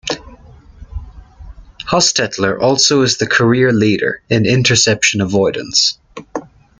Hostetler also is the career leader in interception avoidance.